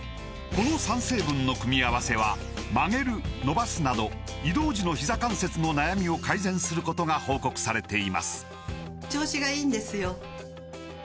この３成分の組み合わせは曲げる伸ばすなど移動時のひざ関節の悩みを改善することが報告されています